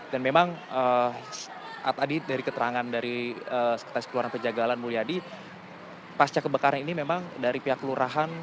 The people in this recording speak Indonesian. dan memang atadi dari keterangan dari sekretaris kelurahan penjagaan mulia di pasca kebakaran ini memang dari pihak kelurahan